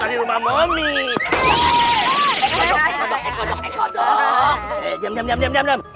eh diam diam diam diam